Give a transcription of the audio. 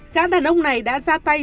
các đàn ông này đã ra tay